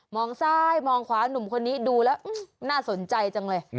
ซ้ายมองขวาหนุ่มคนนี้ดูแล้วน่าสนใจจังเลย